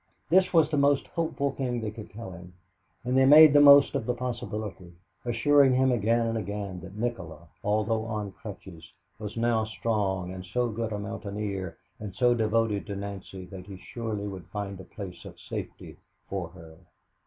This was the most hopeful thing they could tell him, and they made the most of the possibility, assuring him again and again that Nikola, although on crutches, was now strong and so good a mountaineer and so devoted to Nancy that he surely would find a place of safety for her.